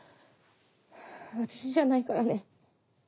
私じゃないからね？